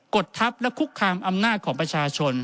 ดทัพและคุกคามอำนาจของประชาชน